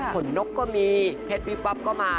ขนนกก็มีเพชรวิป๊อปก็มา